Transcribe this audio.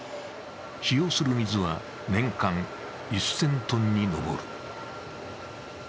使用する水は年間１０００ｔに上る。